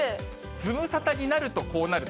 ズムサタになると、こうなると。